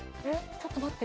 ちょっと待って。